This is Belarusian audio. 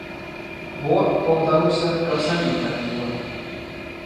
Бо, паўтаруся, каб самім хапіла.